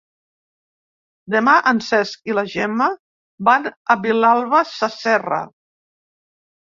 Demà en Cesc i na Gemma van a Vilalba Sasserra.